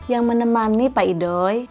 yang menemani pak idoi